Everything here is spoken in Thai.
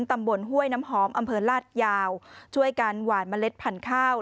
ห้วยน้ำหอมอำเภอลาดยาวช่วยกันหวานเมล็ดพันธุ์ข้าว